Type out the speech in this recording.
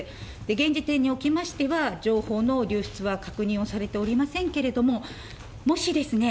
現時点におきましては、情報の流出は確認をされておりませんけれども、もしですね、